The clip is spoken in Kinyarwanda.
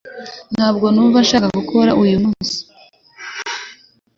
Ntabwo numva nshaka gukora uyu munsi